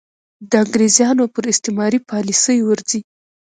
د انګرېزانو پر استعماري پالیسۍ ورځي.